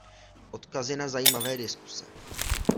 Odkazy na zajímavé diskuze.